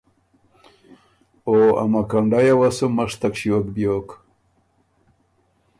او ا مکنډئ یه وه سُو مشتک ݭیوک بیوک۔